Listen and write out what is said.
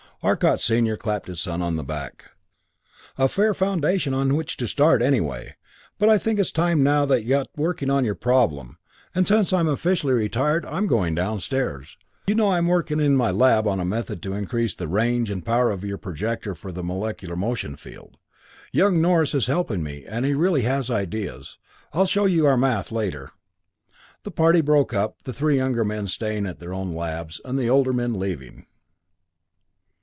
Arcot Senior clapped his son on the back. "A fair foundation on which to start, anyway. But I think it's time now that you got working on your problem; and since I'm officially retired, I'm going downstairs. You know I'm working in my lab on a method to increase the range and power of your projector for the molecular motion field. Young Norris is helping me, and he really has ideas. I'll show you our math later." The party broke up, the three younger men staying in their own labs, the older men leaving.